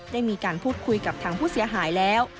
ได้มีการพูดคุยกับทางผู้เสียหายแล้ว